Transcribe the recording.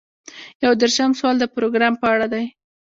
یو دېرشم سوال د پروګرام په اړه دی.